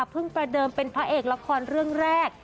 ประเดิมเป็นพระเอกละครเรื่องแรก